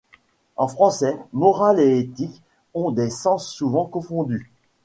En français, morale et éthique ont des sens souvent confondus.